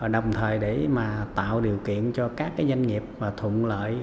đồng thời để tạo điều kiện cho các doanh nghiệp thuận lợi